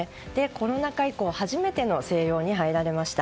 コロナ禍以降初めての静養に入られました。